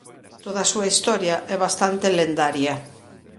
Toda a súa historia é bastante lendaria.